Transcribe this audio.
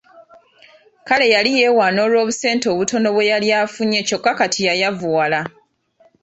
Kale yali yeewaana olw’obusente obutono bwe yali afunye kyokka kati yayavuwala.